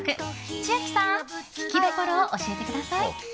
千秋さん、聴きどころを教えてください！